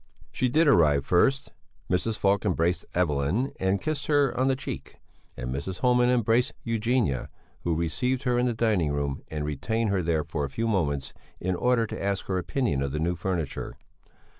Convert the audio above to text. She did arrive first. Mrs. Falk embraced Evelyn and kissed her on the cheek, and Mrs. Homan embraced Eugenia, who received her in the dining room and retained her there for a few moments in order to ask her opinion of the new furniture.